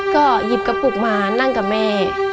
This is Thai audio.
ก็หยิบกระปุกมานั่งกับแม่